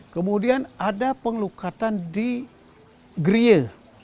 kemudian ada pengelukatan di grie